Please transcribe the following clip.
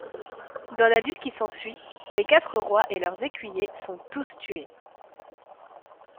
Dans la lutte qui s'ensuit, les quatre rois et leurs écuyers sont tous tués.